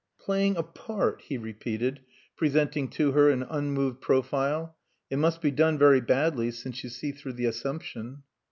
"Playing a Part," he repeated, presenting to her an unmoved profile. "It must be done very badly since you see through the assumption."